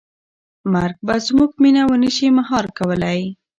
مرګ به زموږ مینه ونه شي مهار کولی.